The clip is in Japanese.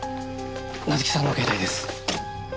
夏樹さんの携帯です。